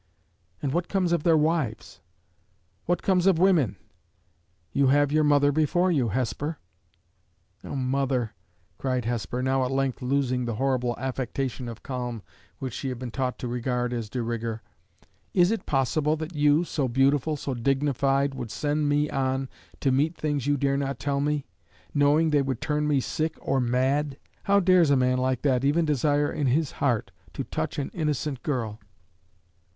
"And what comes of their wives?" "What comes of women. You have your mother before you, Hesper." "O mother!" cried Hesper, now at length losing the horrible affectation of calm which she had been taught to regard as de rigueur, "is it possible that you, so beautiful, so dignified, would send me on to meet things you dare not tell me knowing they would turn me sick or mad? How dares a man like that even desire in his heart to touch an innocent girl?"